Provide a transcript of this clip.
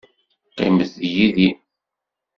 Qqimet yid-i.